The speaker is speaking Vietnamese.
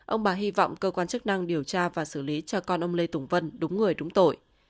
ông bà hy vọng cơ quan chức năng điều tra và xử lý cho con ông lê tùng vân đúng người đúng tội